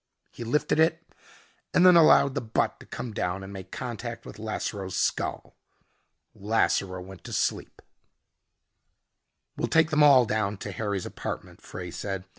He lifted it and then allowed the butt to come down and make contact with Lasseroe's skull. Lasseroe went to sleep. "We'll take them all down to Harry's apartment," Frey said.